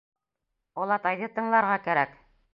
— Олатайҙы тыңларға кәрәк.